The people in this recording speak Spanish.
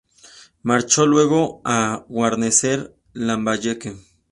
Marchó luego a guarnecer Lambayeque.